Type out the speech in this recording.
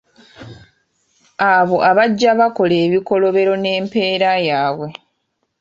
Abo abajja bakola ebikolobero n’empeera yaabwe.